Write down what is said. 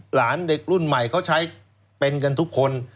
เด็กรุ่นใหม่เขาใช้เป็นกันทุกคน